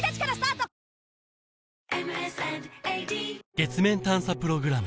月面探査プログラム